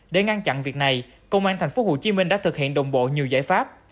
để ngăn chặn việc này công an tp hcm đã thực hiện đồng bộ nhiều giải pháp